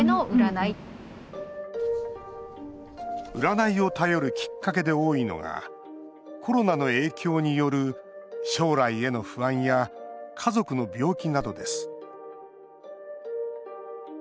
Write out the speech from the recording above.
占いを頼るきっかけで多いのがコロナの影響による将来への不安や家族の病気などです。